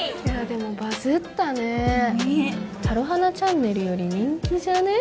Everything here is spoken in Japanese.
でもバズったねタロハナチャンネルより人気じゃね？